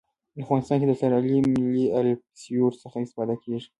په افغانستان کې د اسټرلیایي ملي الپسویډ څخه استفاده کیږي